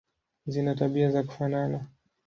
Zina tabia za kufanana.